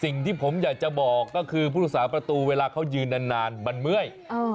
สิ่งที่ผมอยากจะบอกก็คือผู้รักษาประตูเวลาเขายืนนานมันเมื่อย